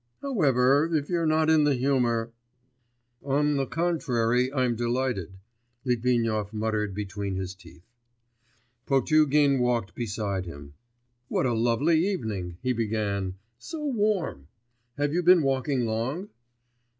However if you're not in the humour....' 'On the contrary I'm delighted,' Litvinov muttered between his teeth. Potugin walked beside him. 'What a lovely evening!' he began, 'so warm! Have you been walking long?